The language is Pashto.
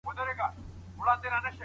د اکراه په حال کي طلاق او عتاق نسته.